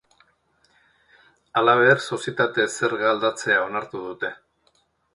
Halaber, sozietate-zerga aldatzea onartu dute.